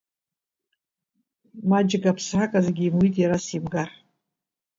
Маџьга аԥсраказгьы имуит иара симгар.